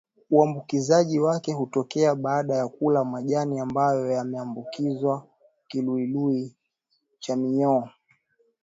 Uambukizaji wake hutokea baada ya kula majani ambayo yameambukizwa kiluiluicha minyoo